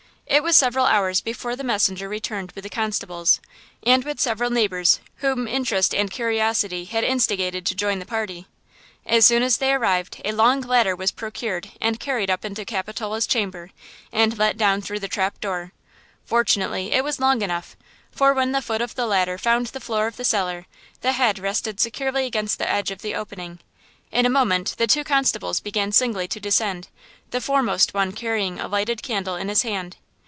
It was several hours before the messenger returned with the constables, and with several neighbors whom interest and curiosity had instigated to join the party. As soon as they arrived, a long ladder was procured and carried up into Capitola's chamber, and let down through the trapdoor. Fortunately it was long enough, for when the foot of the ladder found the floor of the cellar, the head rested securely against the edge of the opening. In a moment the two constables began singly to descend, the foremost one carrying a lighted candle in his hand.